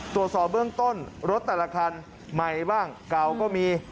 ตรวจสอบเบื้องต้นรถแต่ละคันใหม่บ้างเก่าก็มี